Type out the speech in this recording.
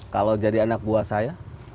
kalau jadi anak buah saya